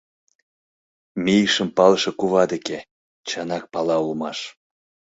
Мийышым палыше кува деке, чынак пала улмаш.